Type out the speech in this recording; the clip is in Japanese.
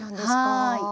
はい。